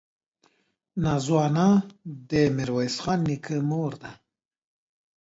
نازو انا دې ميرويس خان نيکه مور ده.